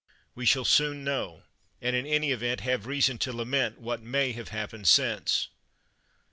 We shall soon know, and in any event have reason to lament, what may have happened since.